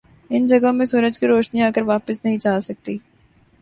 ان جگہوں میں سورج کی روشنی آکر واپس نہیں جاسکتی ۔